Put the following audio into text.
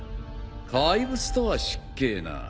怪物とは失敬な。